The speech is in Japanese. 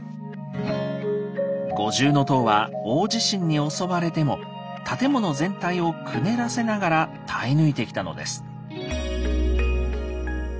五重塔は大地震に襲われても建物全体をくねらせながら耐え抜いてきたのです。